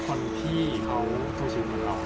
คนที่เขาชื่นมือเรา